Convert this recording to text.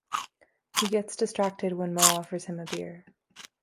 He gets distracted when Moe offers him a beer.